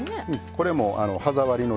これも歯触りのためで。